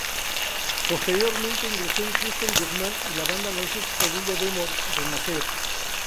Posteriormente ingresó en Christian Guzmán y la banda lanzó su segundo demo, "Renacer.